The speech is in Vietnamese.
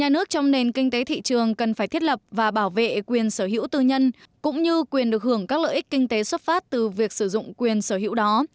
quản lý phải thiết lập và bảo vệ quyền sở hữu tư nhân cũng như quyền được hưởng các lợi ích kinh tế xuất phát từ việc sử dụng quyền sở hữu đó